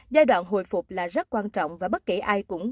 giai đoạn hồi phục là rất quan trọng và bất kể ai cũng